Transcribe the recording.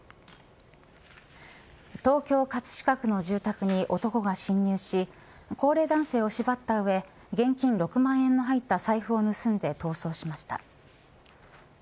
東京、葛飾区の住宅に男が侵入し高齢男性を縛った上現金６万円の入った財布を盗んで逃走しました。